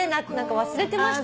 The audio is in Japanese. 忘れてましたよ。